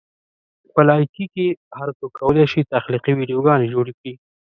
په لایکي کې هر څوک کولی شي تخلیقي ویډیوګانې جوړې کړي.